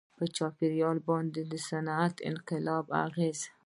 • په چاپېریال باندې د صنعتي انقلاب اغېزه.